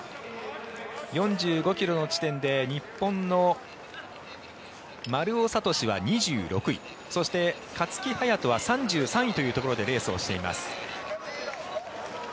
４５ｋｍの地点で日本の丸尾知司は２６位そして勝木隼人は３３位というところでレースをしています。